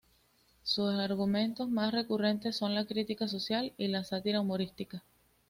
Sus argumentos más recurrentes son la crítica social y la sátira humorística.